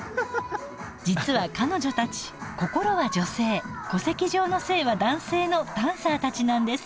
実は彼女たち心は女性戸籍上の性は男性のダンサーたちなんです。